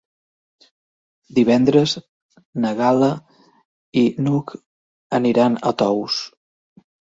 Divendres na Gal·la i n'Hug aniran a Tous.